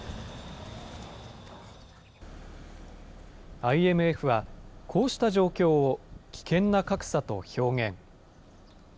ＩＭＦはこうした状況を危険な格差と表現。